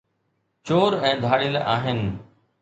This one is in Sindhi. چور ۽ ڌاڙيل آهن